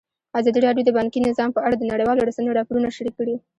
ازادي راډیو د بانکي نظام په اړه د نړیوالو رسنیو راپورونه شریک کړي.